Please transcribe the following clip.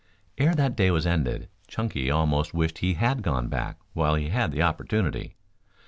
Ere that day was ended Chunky almost wished he had gone back while he had the opportunity.